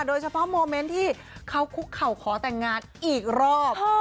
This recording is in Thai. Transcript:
โดยเฉพาะโมเมนต์ที่เขาคุกเขาขอแต่งงานอีกรอบ